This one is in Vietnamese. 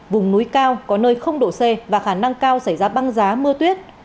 vùng núi cao có nơi độ c và khả năng cao xảy ra băng giá mưa tuyết